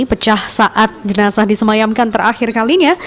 pecah saat jenazah disemayamkan terakhir kalinya